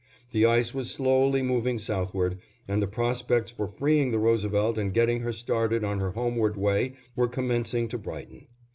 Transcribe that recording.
The ice was slowly moving southward, and the prospects for freeing the Roosevelt and getting her started on her homeward way were commencing to brighten.